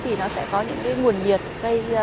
thì nó sẽ có những cái nguồn nhiệt